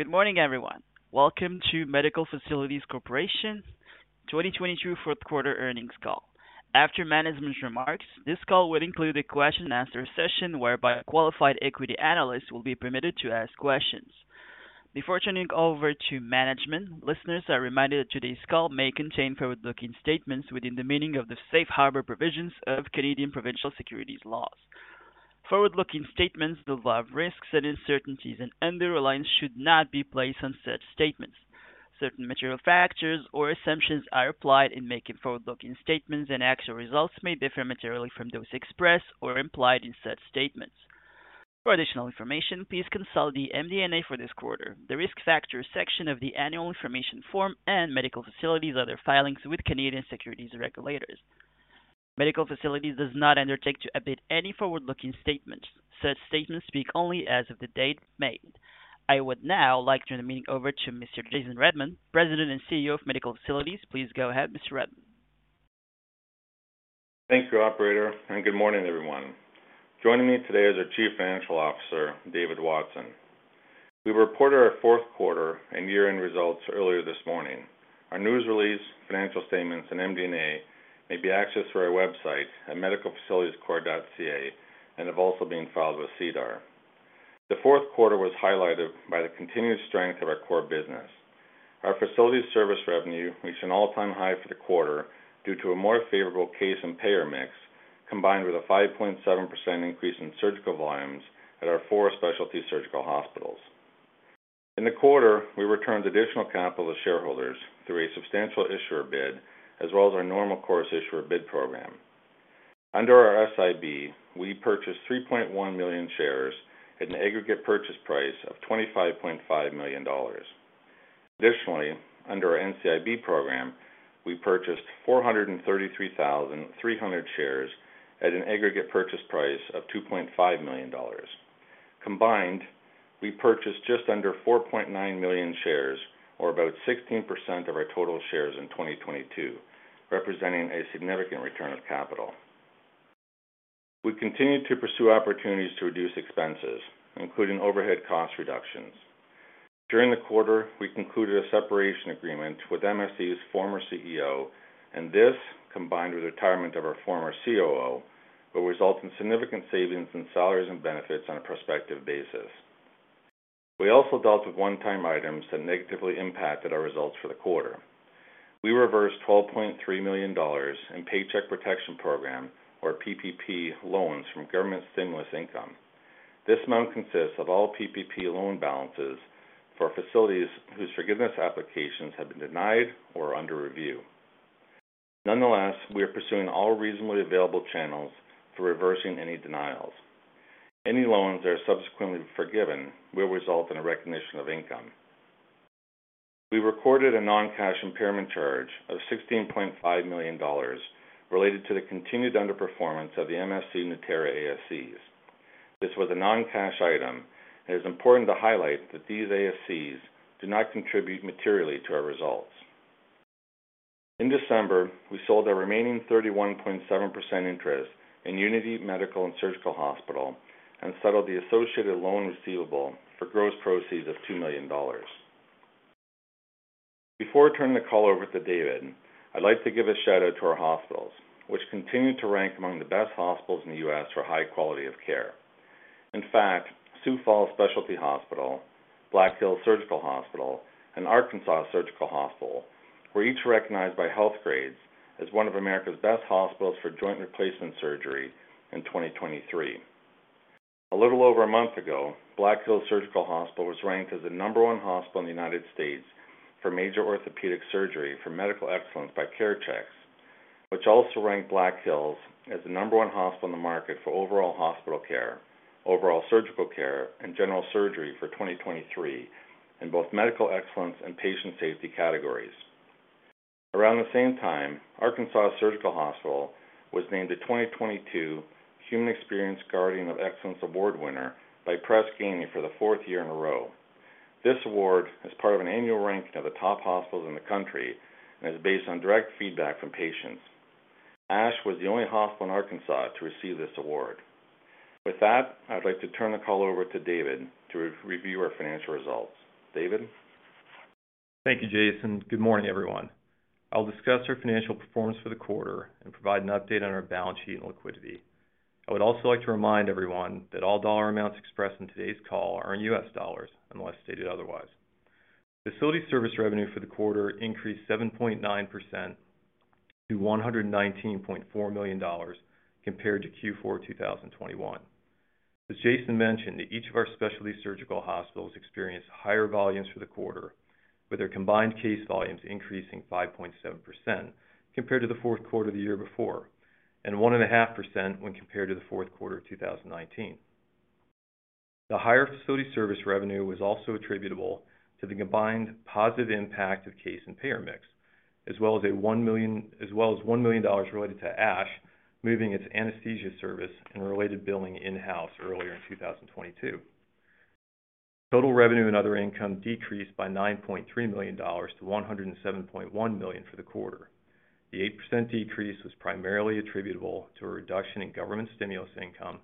Good morning, everyone. Welcome to Medical Facilities Corporation 2022 Fourth Quarter Earnings Call. After management's remarks, this call will include a question and answer session whereby a qualified equity analyst will be permitted to ask questions. Before turning it over to management, listeners are reminded that today's call may contain forward-looking statements within the meaning of the safe harbor provisions of Canadian provincial securities laws. Forward-looking statements involve risks and uncertainties. Under-reliance should not be placed on such statements. Certain material factors or assumptions are applied in making forward-looking statements, and actual results may differ materially from those expressed or implied in such statements. For additional information, please consult the MD&A for this quarter, the Risk Factors section of the Annual Information Form, and Medical Facilities' other filings with Canadian Securities Regulators. Medical Facilities does not undertake to update any forward-looking statements. Such statements speak only as of the date made. I would now like to turn the meeting over to Mr. Jason Redman, President and CEO of Medical Facilities. Please go ahead, Mr. Redman. Thank you, operator. Good morning, everyone. Joining me today is our Chief Financial Officer, David Watson. We reported our fourth quarter and year-end results earlier this morning. Our news release, financial statements, and MD&A may be accessed through our website at medicalfacilitiescorp.ca and have also been filed with SEDAR. The fourth quarter was highlighted by the continued strength of our core business. Our facilities service revenue reached an all-time high for the quarter due to a more favorable case and payer mix, combined with a 5.7% increase in surgical volumes at our four specialty surgical hospitals. In the quarter, we returned additional capital to shareholders through a substantial issuer bid, as well as our normal course issuer bid program. Under our SIB, we purchased 3.1 million shares at an aggregate purchase price of $25.5 million. Under our NCIB program, we purchased 433,300 shares at an aggregate purchase price of $2.5 million. We purchased just under 4.9 million shares or about 16% of our total shares in 2022, representing a significant return of capital. We continued to pursue opportunities to reduce expenses, including overhead cost reductions. During the quarter, we concluded a separation agreement with MFC's former CEO, this, combined with the retirement of our former COO, will result in significant savings in salaries and benefits on a prospective basis. We also dealt with one-time items that negatively impacted our results for the quarter. We reversed $12.3 million in Paycheck Protection Program or PPP loans from government stimulus income. This amount consists of all PPP loan balances for facilities whose forgiveness applications have been denied or under review. We are pursuing all reasonably available channels for reversing any denials. Any loans that are subsequently forgiven will result in a recognition of income. We recorded a non-cash impairment charge of $16.5 million related to the continued underperformance of the MFC Nueterra ASCs. This was a non-cash item. It's important to highlight that these ASCs do not contribute materially to our results. In December, we sold our remaining 31.7% interest in Unity Medical and Surgical Hospital and settled the associated loan receivable for gross proceeds of $2 million. Before I turn the call over to David, I'd like to give a shout-out to our hospitals, which continue to rank among the best hospitals in the U.S. for high quality of care. In fact, Sioux Falls Specialty Hospital, Black Hills Surgical Hospital, and Arkansas Surgical Hospital were each recognized by Healthgrades as one of America's best hospitals for joint replacement surgery in 2023. A little over a month ago, Black Hills Surgical Hospital was ranked as the number one hospital in the United States for major orthopedic surgery for medical excellence by CareChex, which also ranked Black Hills as the number one hospital in the market for overall hospital care, overall surgical care, and general surgery for 2023 in both medical excellence and patient safety categories. Around the same time, Arkansas Surgical Hospital was named the 2022 Human Experience Guardian of Excellence Award winner by Press Ganey for the fourth year in a row. This award is part of an annual ranking of the top hospitals in the country and is based on direct feedback from patients. ASH was the only hospital in Arkansas to receive this award. With that, I'd like to turn the call over to David to re-review our financial results. David? Thank you, Jason. Good morning, everyone. I'll discuss our financial performance for the quarter and provide an update on our balance sheet and liquidity. I would also like to remind everyone that all dollar amounts expressed in today's call are in U.S. dollars, unless stated otherwise. Facility service revenue for the quarter increased 7.9% to $119.4 million compared to Q4 2021. As Jason mentioned, each of our specialty surgical hospitals experienced higher volumes for the quarter, with their combined case volumes increasing 5.7% compared to the fourth quarter of the year before, and 1.5% when compared to the fourth quarter of 2019. The higher facility service revenue was also attributable to the combined positive impact of case and payer mix, as well as $1 million related to ASH moving its anesthesia service and related billing in-house earlier in 2022. Total revenue and other income decreased by $9.3 million to $107.1 million for the quarter. The 8% decrease was primarily attributable to a reduction in government stimulus income,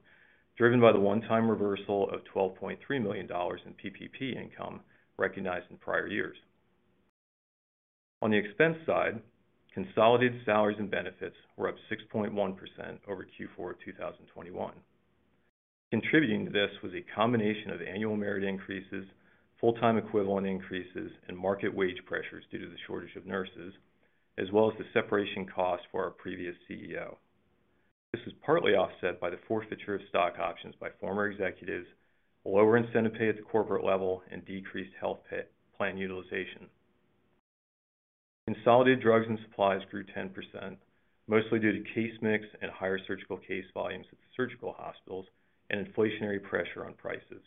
driven by the one-time reversal of $12.3 million in PPP income recognized in prior years. On the expense side, consolidated salaries and benefits were up 6.1% over Q4 of 2021. Contributing to this was a combination of annual merit increases, full-time equivalent increases, and market wage pressures due to the shortage of nurses, as well as the separation costs for our previous CEO. This was partly offset by the forfeiture of stock options by former executives, lower incentive pay at the corporate level, and decreased health plan utilization. Consolidated drugs and supplies grew 10%, mostly due to case mix and higher surgical case volumes at the surgical hospitals and inflationary pressure on prices.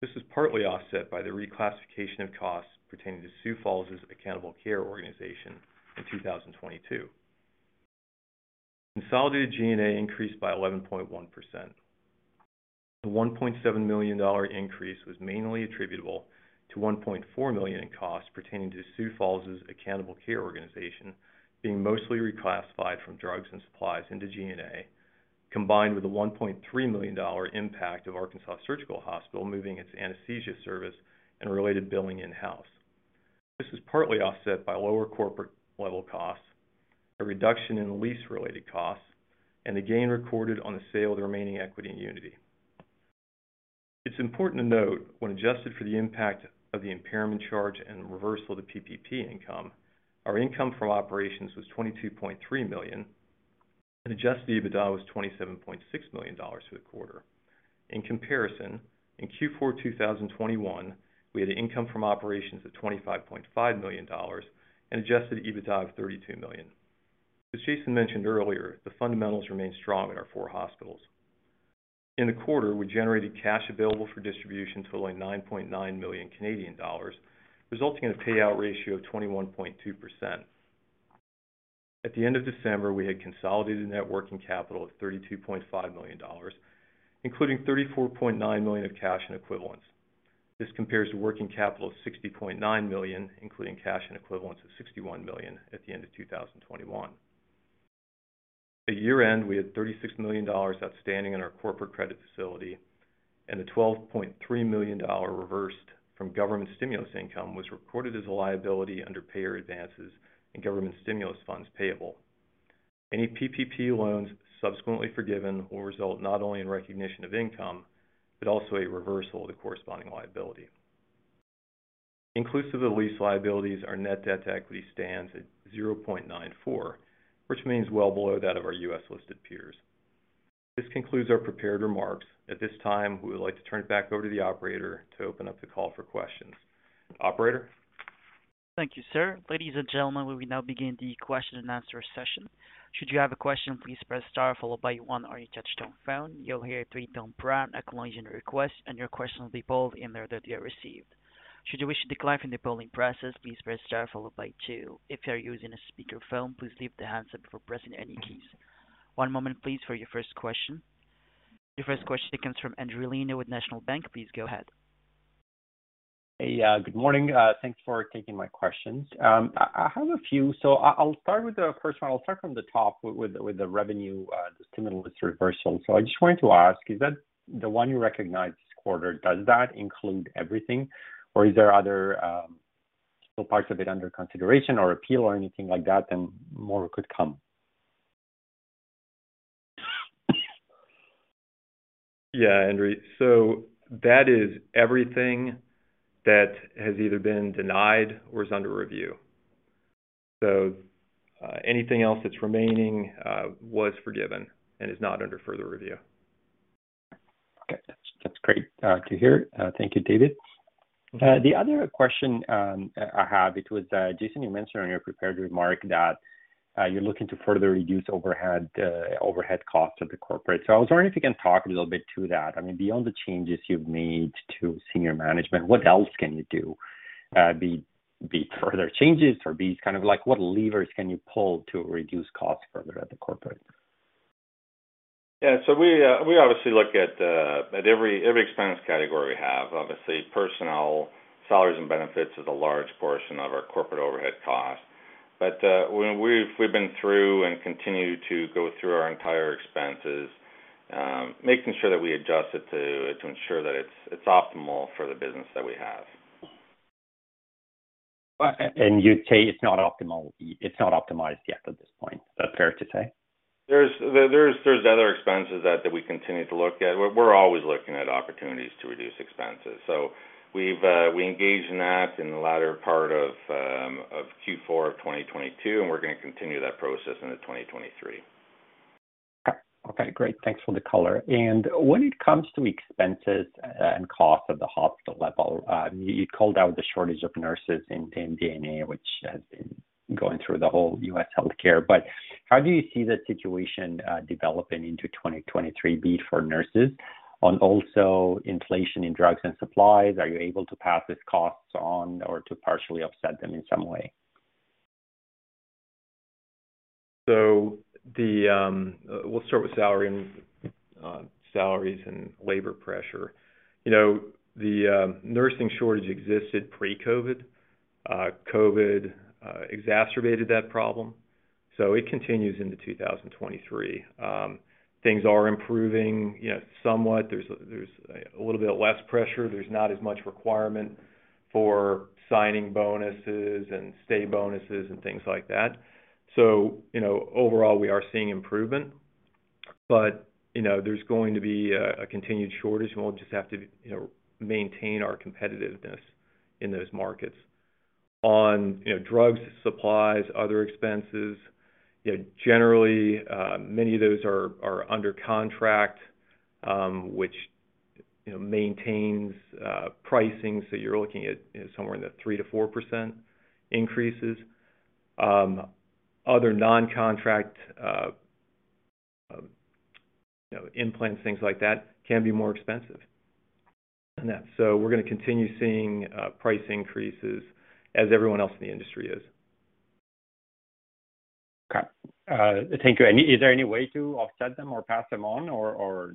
This was partly offset by the reclassification of costs pertaining to Sioux Falls' Accountable Care Organization in 2022. Consolidated G&A increased by 11.1%. The $1.7 million increase was mainly attributable to $1.4 million in costs pertaining to Sioux Falls' Accountable Care Organization being mostly reclassified from drugs and supplies into G&A, combined with the $1.3 million impact of Arkansas Surgical Hospital moving its anesthesia service and related billing in-house. This was partly offset by lower corporate level costs, a reduction in lease-related costs, and a gain recorded on the sale of the remaining equity in Unity. It's important to note, when adjusted for the impact of the impairment charge and reversal to PPP income, our income from operations was $22.3 million, and adjusted EBITDA was $27.6 million for the quarter. In comparison, in Q4 2021, we had an income from operations of $25.5 million and adjusted EBITDA of $32 million. As Jason mentioned earlier, the fundamentals remain strong in our four hospitals. In the quarter, we generated cash available for distribution totaling 9.9 million Canadian dollars, resulting in a payout ratio of 21.2%. At the end of December, we had consolidated net working capital of $32.5 million, including $34.9 million of cash and equivalents. This compares to working capital of $60.9 million, including cash and equivalents of $61 million at the end of 2021. At year-end, we had $36 million outstanding in our corporate credit facility, and the $12.3 million reversed from government stimulus income was recorded as a liability under payer advances and government stimulus funds payable. Any PPP loans subsequently forgiven will result not only in recognition of income, but also a reversal of the corresponding liability. Inclusive of the lease liabilities, our net debt to equity stands at 0.94, which remains well below that of our U.S.-listed peers. This concludes our prepared remarks. At this time, we would like to turn it back over to the operator to open up the call for questions. Operator? Thank you, sir. Ladies and gentlemen, we will now begin the question and answer session. Should you have a question, please press star followed by one on your touch-tone phone. You'll hear a three-tone prompt acknowledging your request, and your question will be pulled in the order that you have received. Should you wish to decline from the polling process, please press star followed by two. If you are using a speakerphone, please leave the handset before pressing any keys. One moment, please, for your first question. Your first question comes from Endri Leno with National Bank. Please go ahead. Good morning. Thanks for taking my questions. I have a few. I'll start with the first one. I'll start from the top with the revenue stimulus reversal. I just wanted to ask, is that the one you recognized this quarter, does that include everything or is there other still parts of it under consideration or appeal or anything like that, and more could come? Yeah. Endri, that is everything that has either been denied or is under review. Anything else that's remaining was forgiven and is not under further review. Okay. That's great to hear. Thank you, David. The other question I have, it was Jason, you mentioned in your prepared remark that you're looking to further reduce overhead costs of the corporate. I was wondering if you can talk a little bit to that. I mean, beyond the changes you've made to senior management, what else can you do? Be it further changes or be it kind of like what levers can you pull to reduce costs further at the corporate? Yeah. We obviously look at every expense category we have. Obviously, personnel, salaries and benefits is a large portion of our corporate overhead costs. When we've been through and continue to go through our entire expenses, making sure that we adjust it to ensure that it's optimal for the business that we have. You'd say it's not optimized yet at this point. Is that fair to say? There's other expenses that we continue to look at. We're always looking at opportunities to reduce expenses. We engaged in that in the latter part of Q4 of 2022, and we're gonna continue that process into 2023. Okay. Okay, great. Thanks for the color. When it comes to expenses and costs at the hospital level, you called out the shortage of nurses in G&A, which has been going through the whole U.S. healthcare. How do you see the situation developing into 2023 be it for nurses? On also inflation in drugs and supplies, are you able to pass these costs on or to partially offset them in some way? The, we'll start with salary and salaries and labor pressure. You know, the nursing shortage existed pre-COVID. COVID exacerbated that problem, it continues into 2023. Things are improving, you know, somewhat. There's a little bit less pressure. There's not as much requirement for signing bonuses and stay bonuses and things like that. You know, overall, we are seeing improvement. You know, there's going to be a continued shortage, and we'll just have to, you know, maintain our competitiveness in those markets. On, you know, drugs, supplies, other expenses, you know, generally, many of those are under contract, which, you know, maintains pricing. You're looking at, you know, somewhere in the 3%-4% increases. Other non-contract, you know, implants, things like that, can be more expensive. We're gonna continue seeing, price increases as everyone else in the industry is. Okay. Thank you. Is there any way to offset them or pass them on or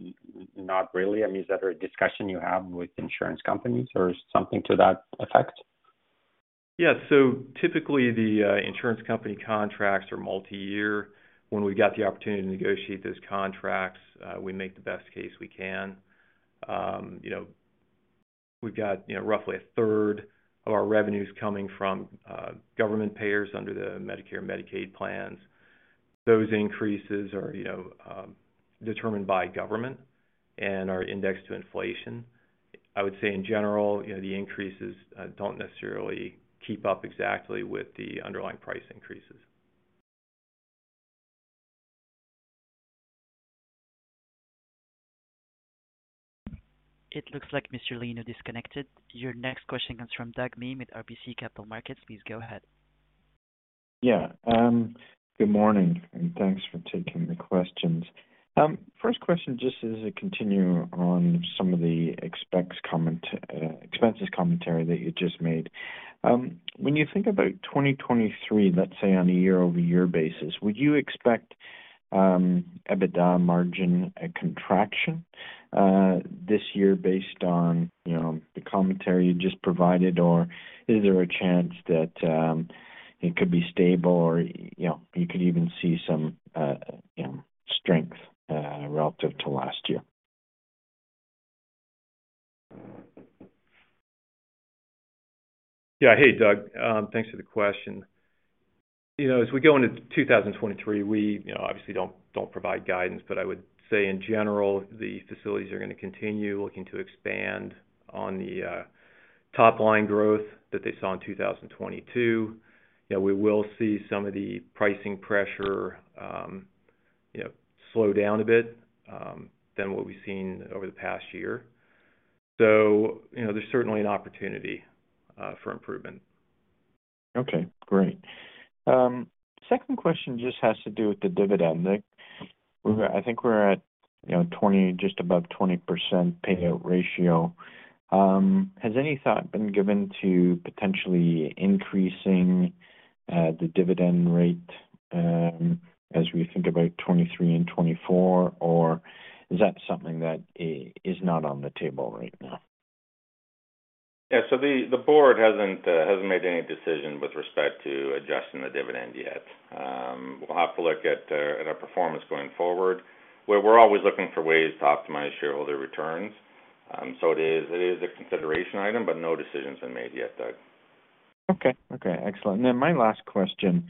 not really? I mean, is that a discussion you have with insurance companies or something to that effect? Yeah. Typically the insurance company contracts are multi-year. When we got the opportunity to negotiate those contracts, we make the best case we can. You know, we've got, you know, roughly a third of our revenues coming from government payers under the Medicare, Medicaid plans. Those increases are, you know, determined by government and are indexed to inflation. I would say in general, you know, the increases don't necessarily keep up exactly with the underlying price increases. It looks like Mr. Leno disconnected. Your next question comes from Doug Miehm with RBC Capital Markets. Please go ahead. Yeah. Good morning, and thanks for taking the questions. First question, just as a continue on some of the expenses commentary that you just made. When you think about 2023, let's say on a year-over-year basis, would you expect EBITDA margin a contraction this year based on, you know, the commentary you just provided? Is there a chance that it could be stable or, you know, you could even see some, you know, strength relative to last year? Hey, Doug. Thanks for the question. You know, as we go into 2023, we, you know, obviously don't provide guidance, but I would say in general, the facilities are gonna continue looking to expand on the top-line growth that they saw in 2022. You know, we will see some of the pricing pressure, you know, slow down a bit than what we've seen over the past year. You know, there's certainly an opportunity for improvement. Okay, great. Second question just has to do with the dividend. I think we're at, you know, 20, just above 20% payout ratio. Has any thought been given to potentially increasing the dividend rate as we think about 2023 and 2024? Is that something that is not on the table right now? Yeah. The board hasn't made any decision with respect to adjusting the dividend yet. We'll have to look at our performance going forward, where we're always looking for ways to optimize shareholder returns. It is a consideration item, no decisions are made yet, Doug. Okay, excellent. My last question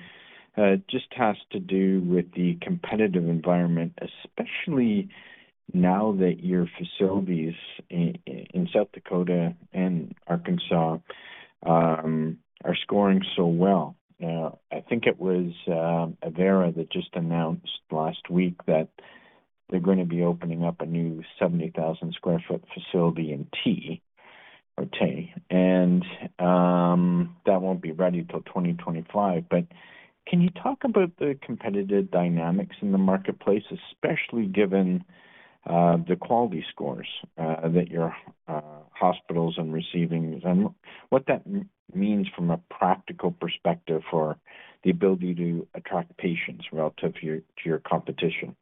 just has to do with the competitive environment, especially now that your facilities in South Dakota and Arkansas are scoring so well. I think it was Avera that just announced last week that they're gonna be opening up a new 70,000 sq ft facility in Tea. That won't be ready till 2025. Can you talk about the competitive dynamics in the marketplace, especially given the quality scores that your hospitals are receiving and what that means from a practical perspective for the ability to attract patients relative to your, to your competition?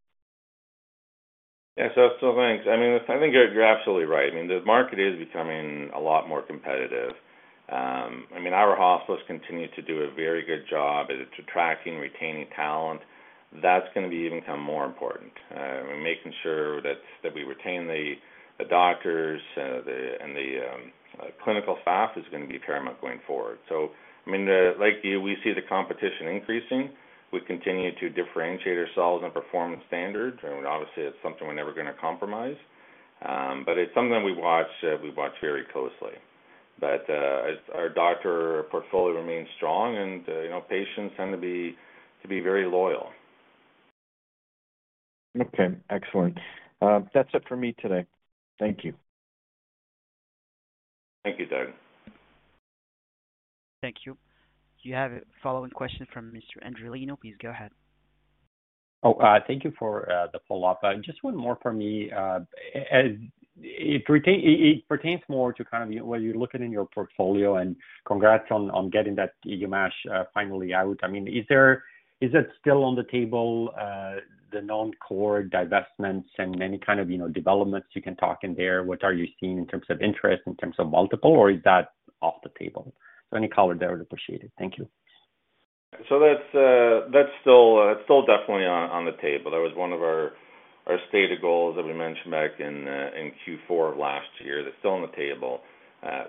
Yeah. Thanks. I mean, I think you're absolutely right. I mean, the market is becoming a lot more competitive. I mean, our hospitals continue to do a very good job at attracting, retaining talent. That's going to be even become more important. Making sure that we retain the doctors and the clinical staff is going to be paramount going forward. I mean, like you, we see the competition increasing. We continue to differentiate ourselves and performance standards. Obviously, it's something we're never going to compromise. It's something we watch, we watch very closely. As our doctor portfolio remains strong and, you know, patients tend to be very loyal. Okay, excellent. That's it for me today. Thank you. Thank you, Doug. Thank you. You have a follow-on question from Mr. Endri Leno. Please go ahead. Thank you for the follow-up. Just one more for me. As it pertains more to kind of what you're looking in your portfolio, and congrats on getting that UMSH finally out. I mean, is it still on the table, the non-core divestments and any kind of, you know, developments you can talk in there? What are you seeing in terms of interest, in terms of multiple, or is that off the table? Any color there would appreciate it. Thank you. That's still definitely on the table. That was one of our stated goals that we mentioned back in Q4 of last year. That's still on the table.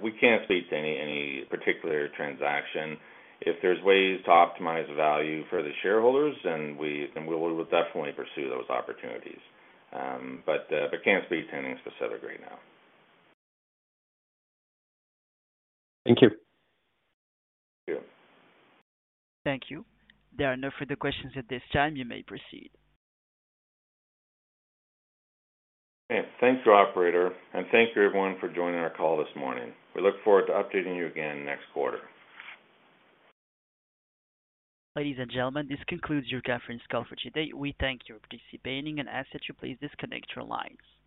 We can't speak to any particular transaction. If there's ways to optimize value for the shareholders, then we will definitely pursue those opportunities. Can't speak to any specific right now. Thank you. Thank you. Thank you. There are no further questions at this time. You may proceed. Okay. Thank you, operator, and thank you everyone for joining our call this morning. We look forward to updating you again next quarter. Ladies and gentlemen, this concludes your conference call for today. We thank you for participating and ask that you please disconnect your lines.